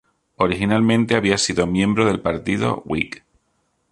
Originalmente había sido miembro del Partido Whig.